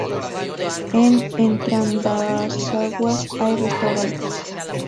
En Entrambasaguas hay restaurantes.